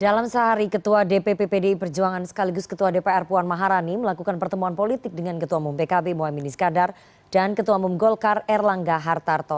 dalam sehari ketua dpp pdi perjuangan sekaligus ketua dpr puan maharani melakukan pertemuan politik dengan ketua umum pkb mohaimin iskandar dan ketua umum golkar erlangga hartarto